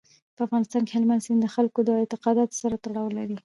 په افغانستان کې هلمند سیند د خلکو له اعتقاداتو سره تړاو لري.